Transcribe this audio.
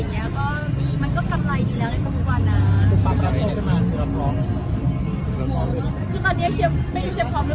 ถ้าศิกรวรรษก็ต้องไปบอกอีกคนให้ทำไมก็ได้เซอร์ไฟล์